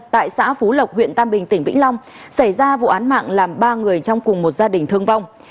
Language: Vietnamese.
tại xã phú lộc huyện tam bình tỉnh vĩnh long xảy ra vụ án mạng làm ba người trong cùng một gia đình thương vong